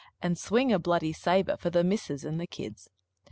An' swing a —— sabre Fer the missus an' the kids.